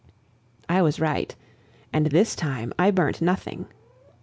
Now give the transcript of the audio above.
I was right, and this time I burnt nothing.